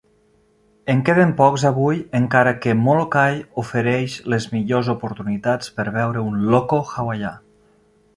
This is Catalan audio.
En queden pocs avui, encara que Molokai ofereix les millors oportunitats per veure un "loko" hawaià.